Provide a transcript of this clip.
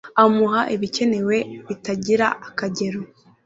Amuha ibikenewe bitagira akagero